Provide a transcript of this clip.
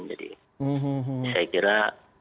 jadi saya kira